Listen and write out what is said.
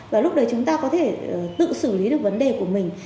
và lúc đấy chúng ta có thể tự xử lý được vấn đề của mình